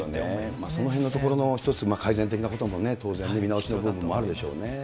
そのへんのところの改善的なこともね、当然、見直しの部分もあるでしょうね。